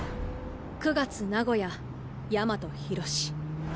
９月名古屋大和広。